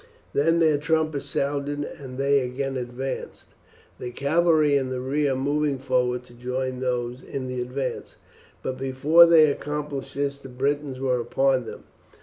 Then their trumpets sounded and they again advanced, the cavalry in the rear moving forward to join those in the advance, but before they accomplished this the Britons were upon them.